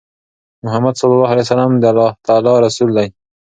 محمد ص د الله تعالی رسول دی.